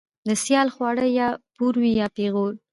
ـ د سيال خواړه يا پور وي يا پېغور.